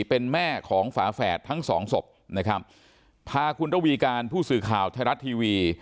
เป็นแม่ของฝาแฝดทั้งสองศพนะครับพาคุณระวีการผู้สื่อข่าวไทยรัฐทีวี